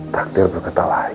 takdir berketa lain